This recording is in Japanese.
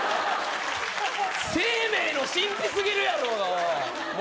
生命の神秘すぎるやろう